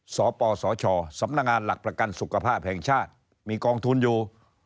สปสชสำนักงานหลักประกันสุขภาพแห่งชาติมีกองทุนอยู่